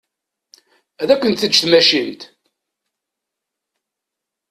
Ad kent-teǧǧ tmacint.